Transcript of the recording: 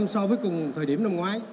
so với cùng thời điểm năm ngoái